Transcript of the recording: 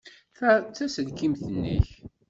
Ta d taselkimt-nnek.